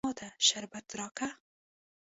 ما ته شربت راکه.